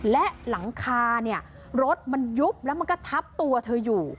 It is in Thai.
และหลังคาเนี่ยรถมันยุบแล้วมันก็ทับตัวเธออยู่